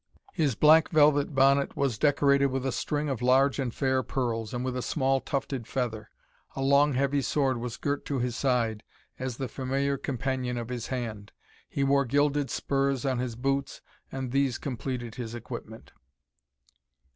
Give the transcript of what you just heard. His black velvet bonnet was decorated with a string of large and fair pearls, and with a small tufted feather; a long heavy sword was girt to his side, as the familiar companion of his hand. He wore gilded spurs on his boots, and these completed his equipment.